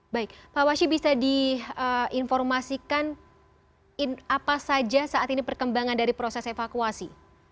baik pak washi bisa diinformasikan apa saja saat ini perkembangan dari proses evakuasi